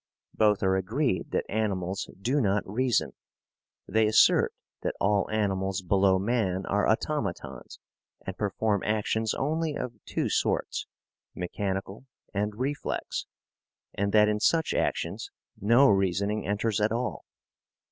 Both are agreed that animals do not reason. They assert that all animals below man are automatons and perform actions only of two sorts mechanical and reflex and that in such actions no reasoning enters at all.